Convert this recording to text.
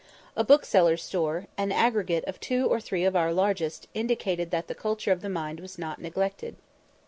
A bookseller's store, an aggregate of two or three of our largest, indicated that the culture of the mind was not neglected.